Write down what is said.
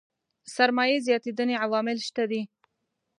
سرمايې زياتېدنې عوامل شته دي.